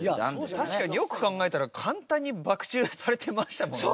確かによく考えたら簡単にバク宙されてましたもんね。